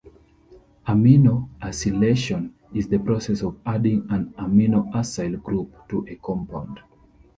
Aminoacylation is the process of adding an aminoacyl group to a compound.